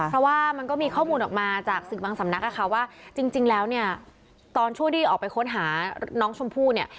เพราะว่ามันก็มีข้อมูลออกมาจากศึกบางสำนักนะคะว่าจริงแล้วเนี่ยตอนช่วงที่ออกไปค้นหาน้องชมพู่เนี่ย